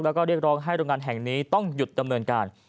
แล้วก็เรียกร้องให้โรงงานแห่งนี้ต้องหยุดดำเนินการ